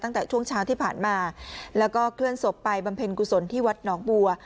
ตั้งแต่ช่วงเช้าที่ผ่านมาแล้วก็เคลื่อนศพไปบำเพ็ญกุศลที่วัดหนองบัว